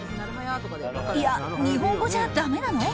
いや、日本語じゃだめなの？